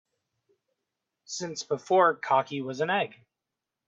Since before cocky was an egg.